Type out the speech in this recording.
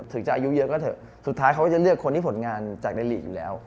ถึงจะอายุเยอะก็เถอะสุดท้ายเขาก็จะเลือกคนที่ผลงานจากในลีกอยู่แล้ว